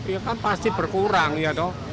ya kan pasti berkurang ya dok